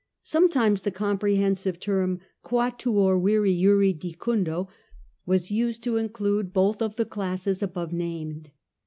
Sometimes the com prehensive term quattuor viri juri die undo was used to include both of the classes above named.